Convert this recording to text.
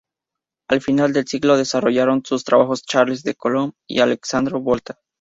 Al final del siglo desarrollaron sus trabajos Charles de Coulomb y Alessandro Volta.